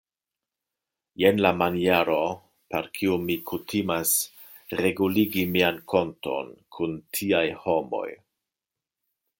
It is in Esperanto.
Jen la maniero, per kiu mi kutimas reguligi mian konton kun tiaj homoj!